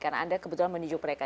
karena anda kebetulan menunjuk mereka